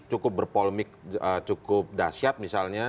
cukup berpolemik cukup dahsyat misalnya